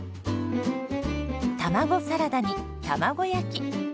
卵サラダに卵焼き。